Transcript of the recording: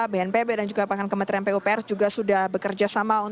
bnpb dan juga bahkan kementerian pupr juga sudah bekerjasama